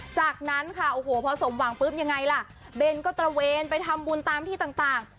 จากนั้นค่ะโอ้โหพอสมหวังปุ๊บยังไงล่ะเบนก็ตระเวนไปทำบุญตามที่ต่าง